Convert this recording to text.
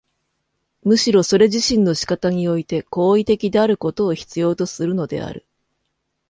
むしろそれ自身の仕方において行為的であることを必要とするのである。